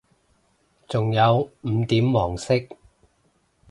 仲有五點黃色